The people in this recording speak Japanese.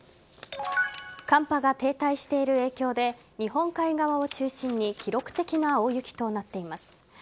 寒波が停滞している影響で日本海側を中心に記録的な大雪となっています。